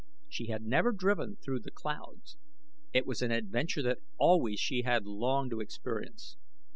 She had never driven through the clouds. It was an adventure that always she had longed to experience.